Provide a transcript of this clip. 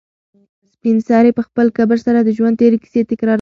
سپین سرې په خپل کبر سره د ژوند تېرې کیسې تکرارولې.